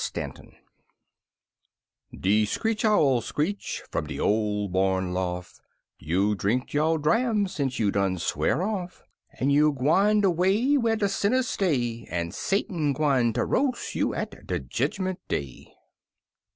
STANTON De screech owl screech f'um de ol' barn lof'; "You drinked yo' dram sence you done swear off; En you gwine de way Whar' de sinners stay, En Satan gwine ter roas' you at de Jedgmint Day!"